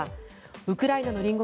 ウクライナの隣国